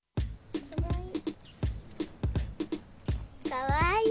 かわいい！